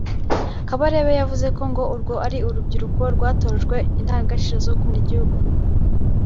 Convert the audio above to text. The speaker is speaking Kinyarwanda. Kabarebe yavuze ko urwo ngo rwari “urubyiruko rwatojwe indangagaciro zogukunda igihugu